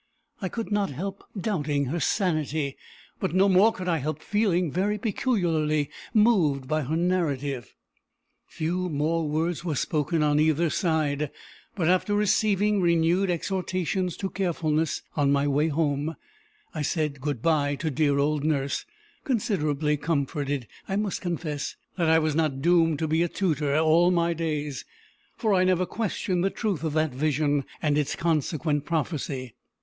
I could not help doubting her sanity; but no more could I help feeling very peculiarly moved by her narrative. Few more words were spoken on either side, but after receiving renewed exhortations to carefulness on my way home, I said good bye to dear old nurse, considerably comforted, I must confess, that I was not doomed to be a tutor all my days; for I never questioned the truth of that vision and its consequent prophecy.